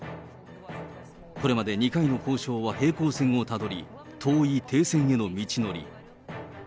これまで２回の交渉は平行線をたどり、遠い停戦への道のり。